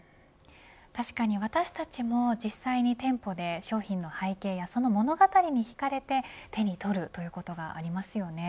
確かに私たちも実際に店舗で商品の背景やその物語にひかれて手に取るということがありますよね。